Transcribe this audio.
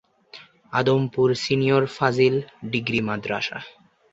Adampur senior ফাজিল degree মাদ্রাসা।